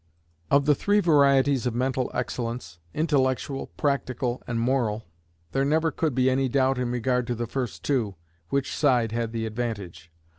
Of the three varieties of mental excellence, intellectual, practical, and moral, there never could be any doubt in regard to the first two, which side had the advantage.